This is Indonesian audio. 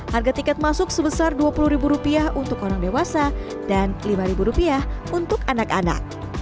harga tiket masuk sebesar rp dua puluh untuk orang dewasa dan rp lima untuk anak anak